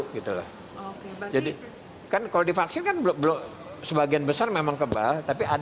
kalau divaksin kan sebagian besar memang kebal